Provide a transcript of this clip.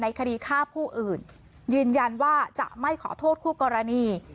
คดีฆ่าผู้อื่นยืนยันว่าจะไม่ขอโทษคู่กรณี